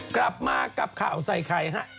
กลับมากับข่าวใส่ไข่ฮะ